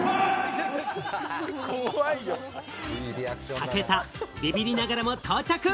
武田、ビビりながらも到着。